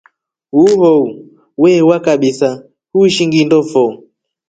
Huu howu we waa kabisa huishi ngʼndo fo.